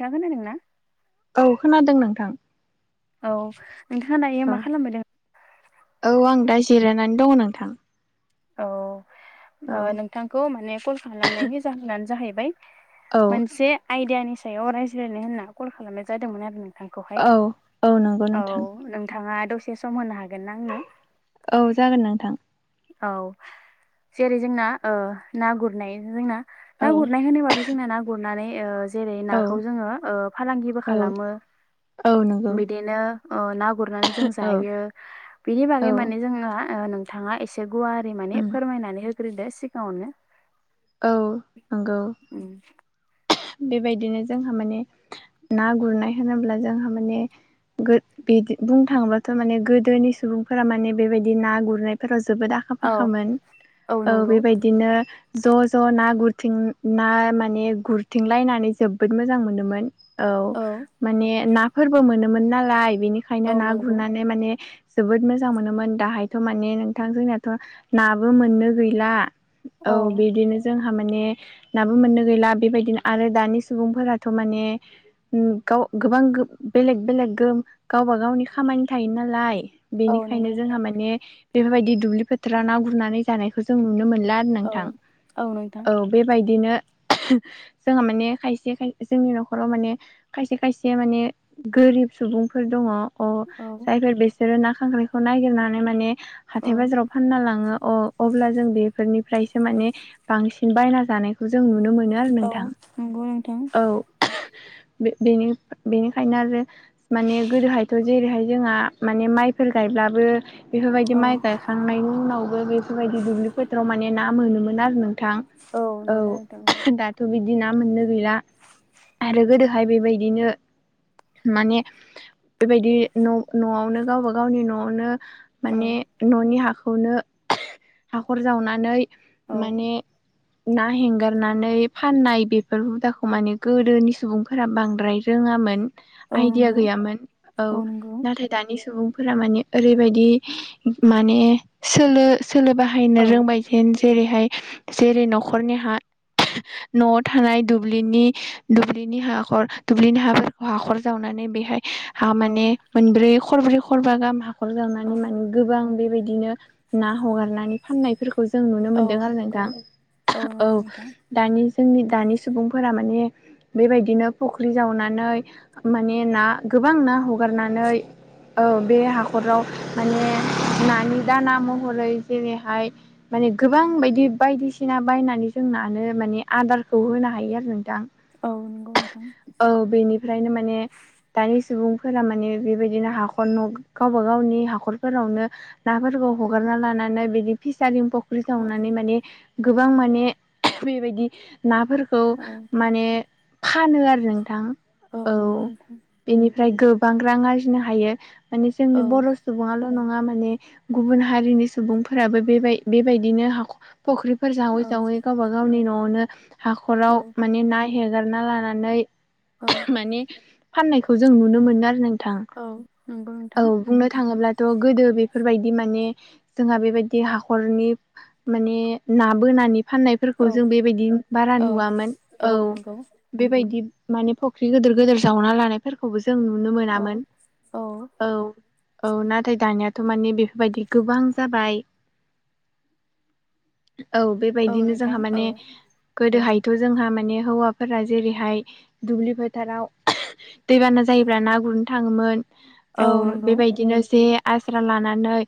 जागोन आरो ना औ खोनादों नोंथां औ नोंथाङा दा औ मा खालामबोदों औ आं दा जिरायनानै दङ नोंथां औ औ नोंथांखौ माने कल खालामनायनि जाहोनानो जाहैबाय औ मोनसे आइडियानि सायाव रायज्लायनो होनना कल खालामनाय जादोंमोन आरो न नोंथांखौहाय औ औ नंगौ औ नोंथां नोंथाङा दसे सम होनो हागोन ना आंनो औ जागोन नोंथां औ जेरै जोंना ना गुरनाय जोंना औ ना गुरनाय होनोबाथ' जोंना ना गुरनानै जेरै औ नाखौ जोङो फालांगिबो औ खालामो औ नंगौ बिदिनो ना गुरनानै जों औ जायो बिनि बागै औ माने जोंना न नोंथाङा एसे गुवारारि माने उम फोरमायनानै होग्रोदो सिगाङावनो औ नंगौ उ बेबायदिनो जोंहा माने ना गुरनाय होनोब्ला जोंहा माने बिदि बुंनो थाङोबाथ' माने गोदोनि सुबुंफोरा माने बेबायदि ना गुरनायफोराव जोबोद आखा आखा औ फाखामोन औ बेबायदि बिदिनो ज' ज' ना गुरथिं ना माने गुर थिं लायनानै जोबोद मोजां मोनोमोन औ माने नाफोरबो मोनोमोन नालाय बेनिखायनो औ ना नंगौ गुरनानै माने जोबोद मोजां मोनोमोन दाहायथ' माने नोंथां जोंनियाथ' नाबो मोननो गैला औ बिदिनो जोंहा माने नाबो मोननो गैला बेबायदिनो आरो दानि सुबुंफोराथ' माने गाव गोबां बेलेग बेलेग गो गावबा गावनि खामानि थायो नालाय औ नंगौ बेनिखायनो जोंहा नोंथां माने बेफोरबायदि दुब्लि फोथाराव ना गुरनानै जानायखौ जों नुनो मोनला औ नोंथां औ बेबायदिनो जोंहा माने खायसे खाय जोंनि न'खराव माने खायसे खायसे माने गोरिब सुबुंफोर दङ अ औ जायफोर बिसोरो ना खांख्राइखौ ननायागिरनानै माने औ हाथाय बाजाराव फानना लाङो अ अब्ला जों बेफोरनिफ्रायसो माने बांसिन बायना जानायखौ जों नुनो मोनो आरो औ नोंथां नंगौ नोंथां औ बेनिखायनो आरो माने गोदोहायथ' जेरैहाय जोंहा माने माइफोर गायब्लाबो बेफोरबायदि औ माइ गायखांनायनि उनावबो बेफोरबायदि दुब्लि फोथ्राव माने ना मोनोमोन आरो नोंथां औ मोनो नोंथां दाथ' बिदि बिदि ना मोननो गैला आरो गोदोहाय बेबायदिनो माने बेबायदि न'आवनो गावब गावनि न'आवनो औ माने न'नि हाखौनो हाखर जावनानै औ माने ना हेंगारनानै फाननाय बेफोर हुदाखौ माने गोदोनि सुबुंफोरा बांद्राय रोङामोन। औ आइदिया नंगौ गैयामोन औ नाथाय दानि सुबुंफोरा मानि ओरैबायदि माने सोलो सोलोबा बाहायनो औ रोंबायदिन जेरैहाय जेरै न'खरनि हा न'आव थानाय दनि दुब्लिनि हाखर दुब्लिनि हाफोरखौ हाखर जावनानै बेहाय हा औ माने मोनब्रै खरब्रै खरबा गाहाम हाखर जावनानै औ माने गोबां बेबायदिनो ना हगारनानै फाननायफोरखौ खौ जों नुनो औ मोन्दों आरो नंगौ नोंथां औ नंगौ नोंथां दानि जोंनि दानि सुबुंफोरा माने बेबायदिनो फुख्रि जावनानै माने ना गोबां ना हगारनानै औ बे हाखराव माने नानि दाना महरै जेरैहाय माने गोबां बायदि बायदिसिना बायनानै जों नानो माने आदारखौ होनो हायो आरो नोंथां औ नंगौ नोंथां औ बेनिफ्रायनो माने दानि सुबुंफोरा माने बेबायदिनो हाखर न' गावबा गावनि हाखरफोरावनो नाफोरखौ हगारना लानानै बिदि फिसारि फुख्रि औ जावनानै माने गोबां माने बेबायदि ना खौ औ माने फानो आरो नोंथां औ नंगौ नोंथां बेनिफ्राय गोबां रां आरजिनो हायो माने औ जोंनि बर' सुबुल' नङा माने गुबुन हारिनि सुबुंफोराबो बेबाय बेबायदिनो हाखर फुख्रिफोर जावै औ जावै गावबा गावनि न'आवनो हाखराव औ माने ना हगारना लानानै औ माने फाननायखौ जों नुनो मोनो आरो नोंथां औ नंगौ नोंथां नोंथां औ बुंनो थाङोब्लाथ' गोदो बेफोरबायदि माने जोंहा बेबायदि हाखरनि माने ना बोनानै फाननायफोरखौ औ जों बेबायदि बारा औ नुवामोन औ बेबायदि माने फुख्रि गिदिर गोिदोर जावना लानाय फोरखौबो जों नुनो औ मोनामोन औ औ नाथाय दानियााथ' माने बेफोरबायदि गोबां जाबाय औ बेबायदिनो नोंथां जोंहा औ माने गोदोहायथ' जोंहा माने हौवाफोरा जेरैहाय दुब्लि फोथाराव दैबाना जायोब्ला ना गुरनो थाङोमोन औ बेबायदिनो जे आस्रा लानानै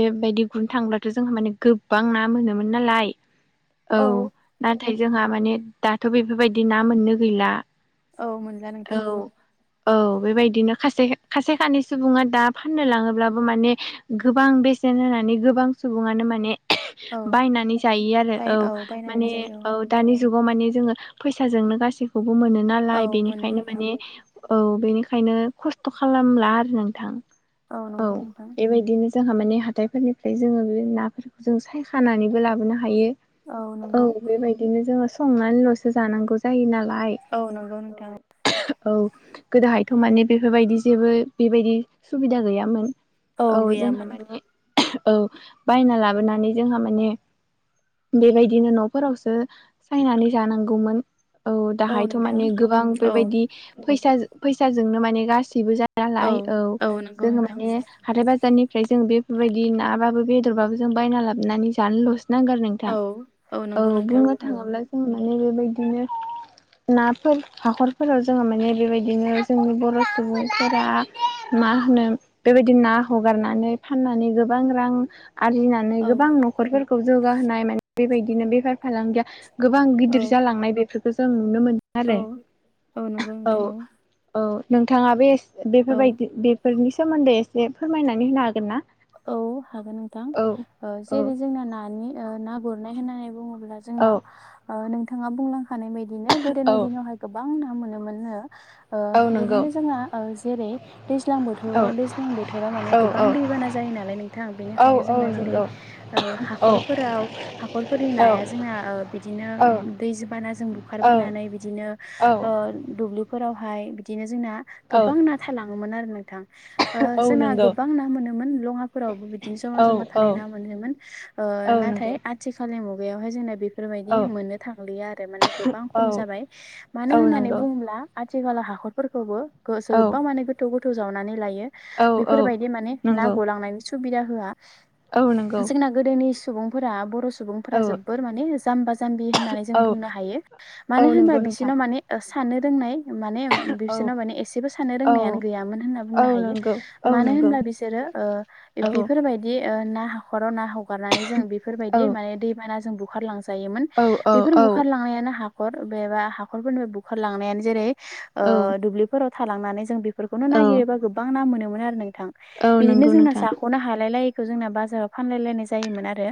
बेबायदि गुनो थांब्लाथ' जोंहा माने गोबां ना मोनोमोन नालाय औ थाय जोंहा माने दाथ' बेफोरबायदि ना मोननो गैला औ मोनला नोंथां औ। औ बेबायदिनो खासे खासे खानि सुबुङा दा फाननो लाङोब्लाबो माने गोबां बेसेन होनानै गोबां सुबुङानो माने औ बायनानै जायो आरो बाय औ बायनानै माने जायो औ औ दानि जुगाव माने जोङो फैसाजोंनो गासैखौबो मोनो नालाय औ मोनो बेनिखायनो नोंथां माने औ बेनिखायनो खस्थ' खालामला आरो नोंथां औ नंगौ नोंथां बेबाय दिनो जोंहा माने हाथाइफोरनिफ्राय जोङो बे नाफोरखौ जों सायखानानैबो लाबोनो हायो। औ नंगौ। बेबायदिनो जोङो संनानैल'सो जानांगौ जायो नालाय औ नंगौ नोंथां। औ गोदोहायथ' माने बेफोरबायदि जेबो बेबायदि सुबिदा गैयामोन। औ जोंहा माने औ बायना लाबोनानै जोंहा माने बेबायदिनो न' फोरावसो सायनानै जानांगौमोन औ दाहायथ' माने गोबां औ बेबायदि फैसा फैसाजोंनो माने गाससिबो जा नालाय औ नंगौ जोङो नोंथां माने हाथाय बाजारनिफ्राय जों बेफोरबायदि नाबाबो बेदरबाबो जों बायना लाबोनानै जानोल'सो नांगोन आरो नों औ। औ नंगौ नोंथां बुंनो औ थाङोब्ला जों माने बेबायदिनो नाफोर हाखरफोराव जोङो माने बेबायदिनो जोंनि बर' सुबुंफोरा मा होनो बेबायदि ना हगारनानै फाननानै गोबां रां आरजिना नानै औ गोबां न'खरफोरखौ जौगाहोनाय माने बेबायदिनो बेफार फालांगिया गोबां औ गिदिर जालांनाय बेफोरखौ जों नुनो मोनदों आरो औ औ नंगौ औ। नोंथां औ नोंथाङा बे औ बेफोरबायदि बेफोरनि सोमोन्दै एसे फोरमायनानै होनो हागोन ना? औ हागोन नोंथां औ ओ औ जेरै जोंना नानि ओ ना गुरनाय होननानै बुङोब्ला औ जोंना ओ नोंथाङा बुंलांखानाय बायदिनो गोदोनि औ दिनावहाय गोबां ना मोनोमोननो ओ औ नंगौ बिदिनो जोंना जेरै दैज्लां औ बोथोराव दैज्लां बोथोराव माने गोबां औ दैबाना जायो नालाय नोंथां औ बेनिखायनो औ जोंना जेरै नंगौ ओ औ हाखरफोराव हाख'रफोरनि औ नाया जोंना ओ बिदिनो औ दैज बाना जों औ बुखारबोनानै बिदिनो औ ओ ओ दुब्लिफोरावहाय बिदिनो जोंना औ गोबां ना थालाङोमोन आरो नोंथां। ओ औ जोंना नंगौ गोबां ना मोनोमोन मुंयाफोरावबो बिदिनो ज'मा औ ज'मा थानाय औ ना मोनोमोन ओ औ नाथाय नंगौ आथिखाल मुगायावहाय जोंना बिफ फोरबायदि औ मोननो थांलियो आरो माने गोबां खम औ जाबाय मानो औ होननानै नंगौ बुङोब्ला आथिखालाव हाखरफोरखौबो औ गोजोबा माने गोथौ गोथौ जावनानै लायो औ औ बेफोरबायदि माने नाव नंगौ आंनायनि सुबिदा होया औ नंगौ जोंना गोदोनि सुबुंफोरा बर'स सुबुंफोरा औ जोबोर माने जाम्बा जाम्बि होननानै जों औ बुंनो हायो मानो औ होनबा नंगौ नोंथां बिसिनाव माने साननो रोंनाय माने औ बिसोरनाव माने एसेबो साननो औ रोंनायानो गैयामोन होनना बुंनो औ हायो नंगौ औ मानो नंगौ होनब्ला बिसोरो ओ औ बेफोरबायदि ओ ना हाखराव ना ह गारनानै जों औ बेफोरबायदि माने दै बानाजों बुखारलांजायोमोन औ बेफोर बुखारलांनायानो हा हर बेबा हाखरफोरनि बुखारलांनायानो जेरै ओ औ दुब्लिफोराव थालांनानै जों बे फोरखौनो औ नागिरोबा गोबां ना मोनोमोन आरो नोंथां औ बिदिनो नंगौ जोंना नोंथां जा खनो हालाय लायैखौ जोंना बाजाराव फानलायलायनाय जायोमोन आरो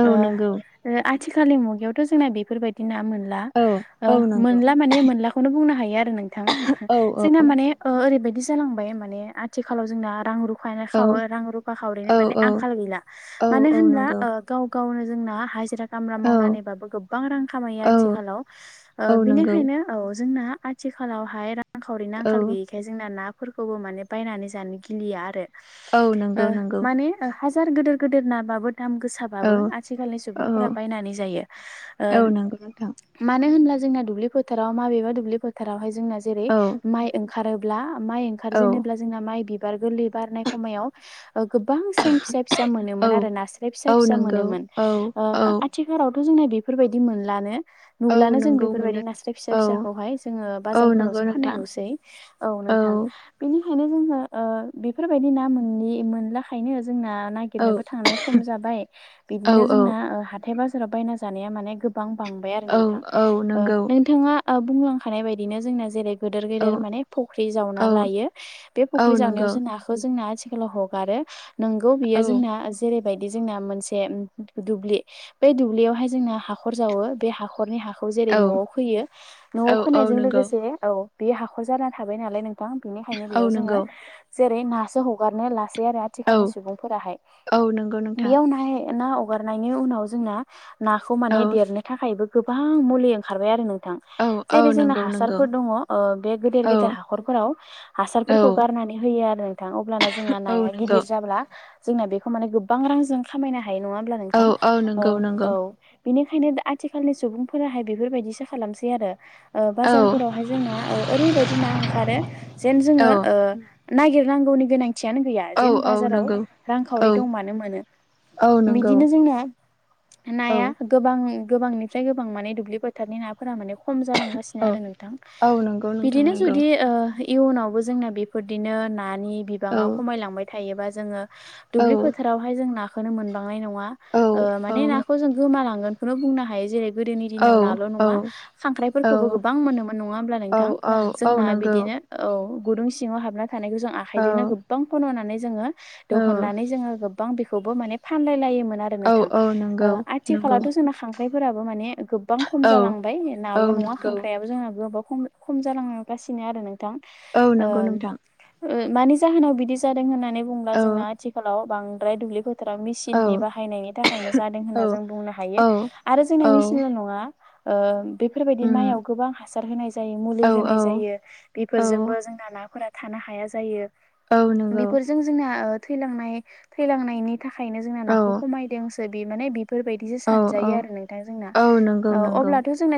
औ ओ नंगौ ओ आथिखालनि मुगायावथ' जोंना बेफोरबायदि ना मोनला औ ओ औ नंगौ मोनला माने मोनलाखौनो बुंनो हायो आरो नोंथां औ जोंना माने ओ ओरैबायदि जांबाय माने आथिखालाव जोंना रां रु फा खा औ खाव रां रुफा खावरैनो औ माने आंखाल गैला औ मानो औ होनब्ला नंगौ ओ गाव गावनो जोंना हाजिरा खामला औ मावनानैबाबो गोबां रां खामायो औ आथिखालाव औ ओ नंगौ बिनिखायनो औ जोंना आथिखालावहाय रांखावरिनि औ आंखाल गैयै खाय जोंना नाफोरखौबो माने बायनानै जानो गिलिया आरो औ ओ नंगौ नंगौ माने - हाजार गिदिर गिदिर नाबो दाम गोसा बाबो आथिखालनि औ सुबुंफोरा औ बायनानै जायो ओ औ नंगौ नोंथां मानो होनब्ला जोंना दुब्लि फोथाराव माबेबा दुब्लि फोथारावहाय जोंना जेरै औ माइ ओंखारोब्ला माइ औ ओंखारजेेनोब्ला जोंना माइ बिबार गोरलै बारनाय समायाव गोबां सिं फिसा फिसा मोनोमोन औ आरो नास्राय फिसा औ फिसा नंगौ मोनोमोन औ ओ औ आथि लावथ' जोंना बेफोरबायदि मोनलानो औ नुलानो जों नंगौ बेफोरबायदि मोननो नास्राय फिसा औ फिसाखौहाय जोङो औ नंगौ बाजारफोरावसो फाननाय नोंथां नुसै औ नोंथां बेनिखायनो जोङो ओ बेफोरबायदि ना मोन मोनलाखायनो जोंना ना औ गिरनोबो थांनाया खम जाबाय औ बिदिनो जोंना औ ओ हाथाय बाजाराव बायना जानाया माने गो बां बांबाय आरो औ नोंथां औ ओ नंगौ नोंथाङा बुंलांखानाय बायदिनो जोंना जेरै गेदेर गेदेर औ माने फख्रि जावना औ लायो बे औ फख्रि जावनायाव नंगौ जोंना जोंना आथिखालाव हगारो नोंगौ औ बेयो जोंना जेरैबायदि जोंना मोनसे दुब्लि बेै दुब्लियावहाय जोंना हाखर जावो बे हाखरनि हा खौ जेरै औ न'आव खोयो न'आव औ खोनायजों नंगौ लोगोसे औ बे हाखर जा थाबाय नालाय नों थां बिनिखायनो औ बेयाव जोङो नंगौ जेरै नासो हगारनो लासै आरो औ आथिखालनि सुबुंफोराहाय औ नंगौ नोंथां बेयाव ना ना हगारनायनि उनाव जोंना नाखौ औ माने देरनो थाखायबो गोबां मुलि ओंखारबाय आरो नोंथां औ औ जेरै जोंना नंगौ नंगौ हासारफोर दङ ओ बे गेदेर औ गेदेर हाखरफोराव औ हासारफोरखौ गारनानै होयो आरो नोंथां अब्लाना जोंना औ नाया नंगौ गिदिर जाब्ला जोंङो बेखौ माने गोबां रांजों खामायनो हायो नङा होमब्ला औ नोंथां औ ओ नंगौ औ नंगौ बेनिखायनो दा आथिखालनि सुबुंफोराहाय बेफोरबायदिसो खालामसै आरो ओ औ बाजारफोरावहाय जोंना ओ ओरैबायदि ना ओंखारो जेन औ जोङो ओ नागिर नांगौनि गोनांथियानो गैया औ जेन औ बाजाराव नंगौ औ रांखावरि दंबानो मोनो औ नंगौ बिदिनो जोंना औ नाया गोबां गोबांनिफ्राय गोबां माने दुब्लि फो थारनि नाफोरा माने खम जालांगासिनो औ आरो नोंथां औ नंगौ नोंथां बिदिनो नंगौ जुदि ओ इयुनावबो जोंना बेफोरदिनो नानि बिबाङा औ खमायलांबाय थायोबा जोङो औ दुब्लि फोथारावहाय जों नाखौनो मोनबांनाय नङा औ ओ औ माने नाखौ जों गोमालांगोन खौनो बुंनो हायो जेरै गोदोनि औ दिनाव नाल' नङा औ औ खांख्राइफोरखौबो गोबां मोनोमोन नङा होमब्ला औ नोंथां औ औ जोंना नंगौ बिदिनो औ गुदुं सिङाव हाबना थानायखौ जों औ आखाइजोंनो गोबां खन'नानै जोङो औ दहुननानै जोङो गोबां बेखौबो माने फानलाय लायोमोन आ रो औ नोंथां औ ओ नंगौ नंगौ आथिखालावथ' जोंना खां ख्राइफोराबो माने गोबां खम औ जालांबाय औ नाल' नङा नंगौ खांख्रायाबो जोंना गोबां खम खम जालांगासिनो आरो नोंथां औ नंगौ नोंथां ओ मानि जाहोनाव बिदि जादों होननानै बुंब्ला जोंना औ आथिखालाव बांद्राय दुब्लिफोर फोथाराव औ मेसिननि बाहायनायनि थाखायनो जादों होनना औ जों बुंनो हायो औ आरो जोंना औ मेचिनल' नङा ओ बेफोरबायदि माइयाव उम गोबां हासार होनाय जायो मुलि औ औ होनाय जायो औ बेफोरजोंबो जोंना नाफोरा थानो हाया जायो औ नंगौ जों जोंना थैांनाय थैलांनायनि थाखायनो जोंना औ नाखौ खमायदोंसो बे माने औ बेफोरबायदि ों औ औ नंगौ नंगौ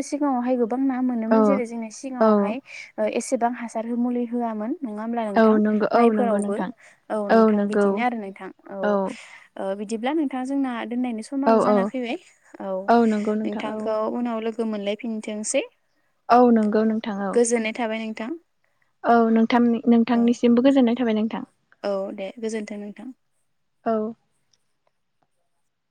ज गोबां ना मोनोमोन औ जेरै जोंना औ सिगाङावहाय ओ एसेबां हासार मुलि होयामोन नङा होमब्ला नोंथां औ नंगौ औ नंगौ माइफोरावबो नोंथां औ नोंथां बिदिनो आरो नोंथां औ ओ बिदिब्ला नोंथां जोंना दोनायनि सम औ समाव जाना फैबाय औ नंगौ नोंथां औ नोंथांखौ उनाव लोगो मोनलायफिनथोंसै औ नंगौ नोंथां औ गोजोननाय थाबाय नोंथां। औ नोंथांनि औ नोंथांनिसिमबो गोजोननाय थाबाय नोंथां औ दे गोजोन्थों नोंथां औ